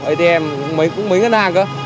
atm cũng mấy ngân hàng cơ